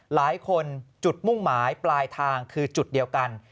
หลายคนจุดมุ่งหมายปลายทางคือจุดเดียวกัน